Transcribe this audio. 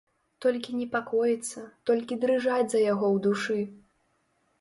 Толькі непакоіцца, толькі дрыжаць за яго ў душы.